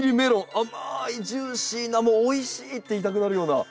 甘いジューシーなもう「おいしい！」って言いたくなるような。